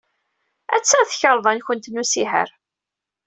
Attan tkarḍa-nwent n usihaṛ.